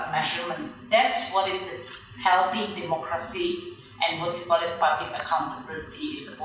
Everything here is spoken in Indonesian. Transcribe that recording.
dan saya pikir bahwa dalam laporan ini